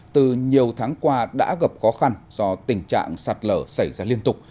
từ nhiều tháng qua đã gặp khó khăn do tình trạng sạt lở xảy ra liên tục